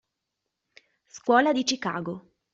Scuola di Chicago